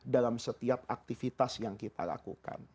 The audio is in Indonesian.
dalam setiap aktivitas yang kita lakukan